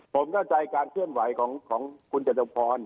ผมเข้าใจการเคลื่อนไหวของคุณจตุพร